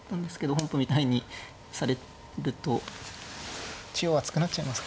本譜みたいにされると中央厚くなっちゃいますからね。